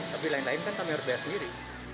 tapi lain lain kan kami berbiasa sendiri